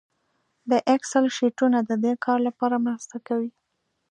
د اکسل شیټونه د دې کار لپاره مرسته کوي